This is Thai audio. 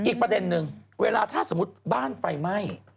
อีกประเด็นนึงเวลาถ้าสมมุติบ้านไฟไหม้